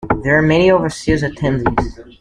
There are many overseas attendees.